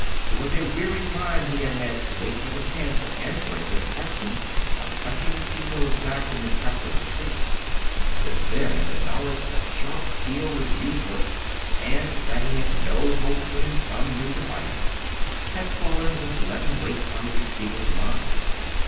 It was a weary time he had had to wait for the chance of answering this question by touching Tito's back in the press of the street. Since then, the knowledge that the sharp steel was useless, and that he had no hope but in some new device, had fallen with leaden weight on his enfeebled mind.